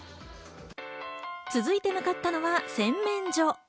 続いて向かったのは洗面所。